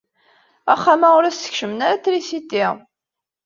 Axxam-a ur as-skecmen ara trisiti.